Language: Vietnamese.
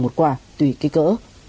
một quà tùy kế cỡ